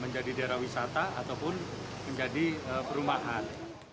menjadi daerah wisata ataupun menjadi perumahan